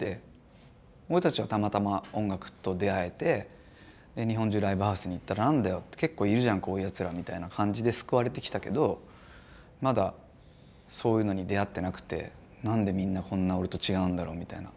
俺たちはたまたま音楽と出会えて日本中ライブハウスに行ったら「何だよ結構いるじゃんこういうやつら」みたいな感じで救われてきたけどまだそういうのに出会ってなくて「なんでみんなこんな俺と違うんだろう」みたいな。